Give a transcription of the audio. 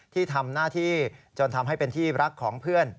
ที่ทำหน้าที่จนทำให้เป็นที่รักของเพื่อน